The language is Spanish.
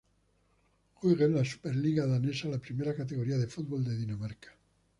Juega en la superliga danesa, la primera categoría de fútbol de Dinamarca.